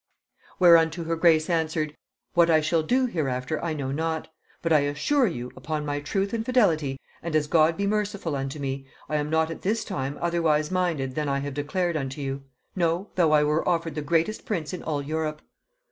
Whereunto her grace answered, 'What I shall do hereafter I know not; but I assure you, upon my truth and fidelity, and as God be merciful unto me, I am not at this time otherwise minded than I have declared unto you; no, though I were offered the greatest prince in all Europe.'